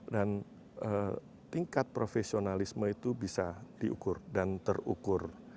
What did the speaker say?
dan tingkat profesionalisme itu bisa diukur dan terukur